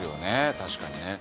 確かにね。